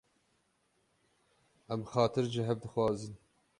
Em xatir ji hev dixwazin.